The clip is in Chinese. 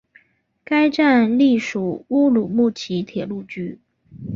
该站隶属乌鲁木齐铁路局。